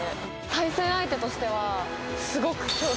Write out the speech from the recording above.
対戦相手としてはすごく。